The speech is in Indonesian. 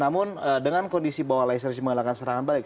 namun dengan kondisi bawah leicester united mengalahkan serangan balik